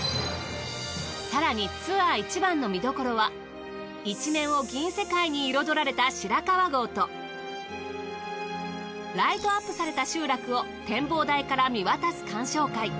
更にツアーいちばんの見どころはいちめんを銀世界に彩られた白川郷とライトアップされた集落を展望台から見渡す鑑賞会。